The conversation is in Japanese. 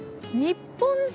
日本人。